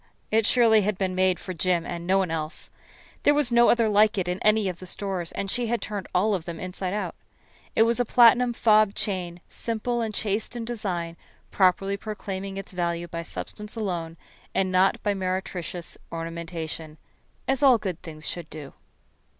It surely had been made for Jim and no one else. There was no other like it in any of the stores, and she had turned all of them inside out. It was a platinum fob chain, simple and chaste in design, properly proclaiming its value by substance alone and not by meretricious ornamentation as all good things should do.